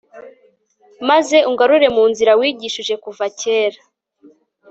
maze ungarure mu nzira wigishije kuva kera